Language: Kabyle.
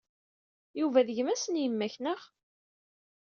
Yuba d gma-s n yemma-k, naɣ?